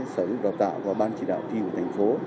sở dục đào tạo và ban chỉ đạo thi của thành phố